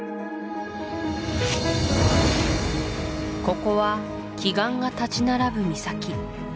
ここは奇岩が立ち並ぶ岬